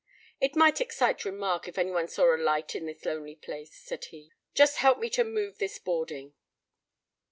"It might excite remark if anyone saw a light in this lonely place," said he. "Just help me to move this boarding."